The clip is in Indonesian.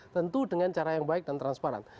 tentu dengan cara yang baik dan transparan